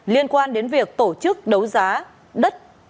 liên quan đến việc tổ chức đấu giá đất